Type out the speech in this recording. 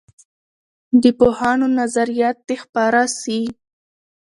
د پوهانو نظریات دې خپاره سي.